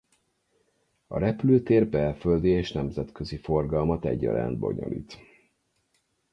A repülőtér belföldi és nemzetközi forgalmat egyaránt bonyolít.